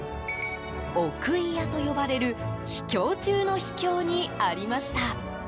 奥祖谷と呼ばれる秘境中の秘境にありました。